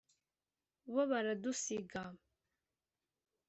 bo, baradusiga.